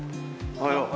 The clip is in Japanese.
おはよう。